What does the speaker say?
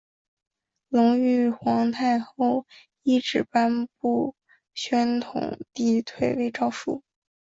隆裕皇太后懿旨颁布宣统帝退位诏书。